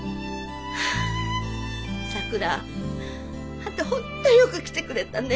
あんた本当よく来てくれたね。